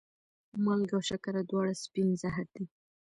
مالګه او شکره دواړه سپین زهر دي.